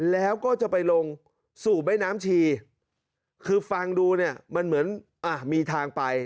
แล้วก็จะไปลงสู่แม่น้ำชีคือฟังดูเนี่ยมันเหมือนอ่ะมีทางไป